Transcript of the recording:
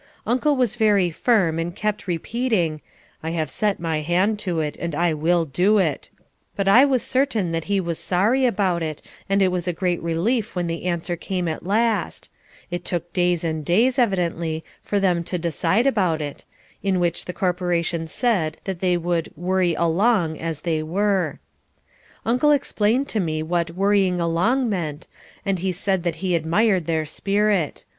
Uncle was very firm and kept repeating, "I have set my hand to it, and I will do it," but I was certain that he was sorry about it and it was a great relief when the answer came at last it took days and days, evidently, for them to decide about it in which the corporation said that they would "worry along" as they were. Uncle explained to me what "worrying along" meant and he said that he admired their spirit.